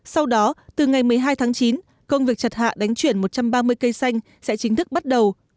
sau đó từ ngày một mươi hai tháng chín công việc chặt hạ đánh chuyển một trăm ba mươi cây xanh sẽ chính thức bắt đầu